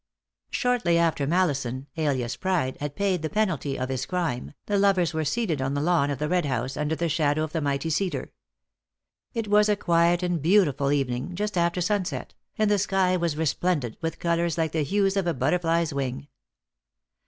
Shortly after Mallison, alias Pride, had paid the penalty of his crime, the lovers were seated on the lawn of the Red House, under the shadow of the mighty cedar. It was a quiet and beautiful evening, just after sunset, and the sky was resplendent with colours like the hues of a butterfly's wing.